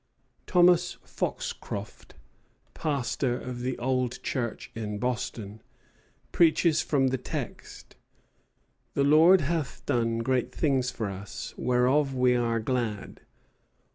Thomas Foxcroft, pastor of the "Old Church in Boston," preaches from the text, "The Lord hath done great things for us, whereof we are glad."